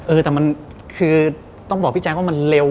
เออแต่มันคือต้องบอกพี่แจ๊คว่ามันเร็ว